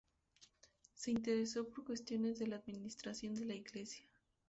Se interesó por cuestiones de la administración de la Iglesia.